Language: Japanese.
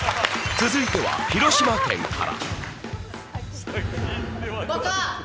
続いては広島県から。